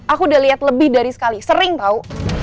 aku udah lihat lebih dari sekali sering tau